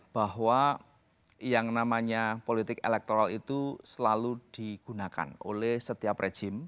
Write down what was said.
bahwa yang namanya politik elektoral itu selalu digunakan oleh setiap rejim